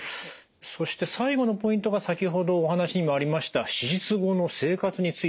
そして最後のポイントが先ほどお話にもありました手術後の生活についてということですか。